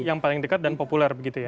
yang paling dekat dan populer begitu ya